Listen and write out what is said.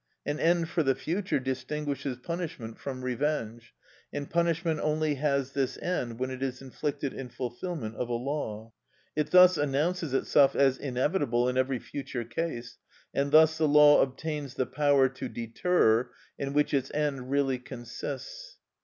An end for the future distinguishes punishment from revenge, and punishment only has this end when it is inflicted in fulfilment of a law. It thus announces itself as inevitable in every future case, and thus the law obtains the power to deter, in which its end really consists.